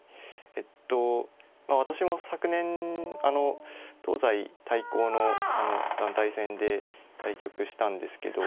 えと私も昨年あの東西対抗の団体戦で対局したんですけど。